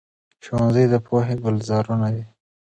ښوونځي د پوهې ګلزارونه دي.